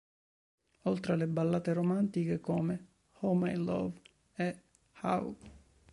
Oltre alla ballate romantiche, come "Oh My Love" e "How?